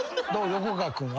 横川君は？